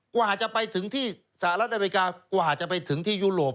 กว่าจะไปถึงที่สหรัฐอเมริกากว่าจะไปถึงที่ยุโรป